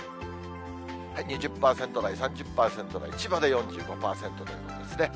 ２０％台、３０％台、千葉で４５％ということですね。